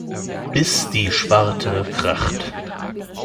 Bis die Schwarte kracht.